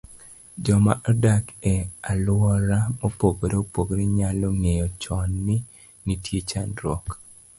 joma odak e alwora mopogore opogore nyalo ng'eyo chon ni nitie chandruok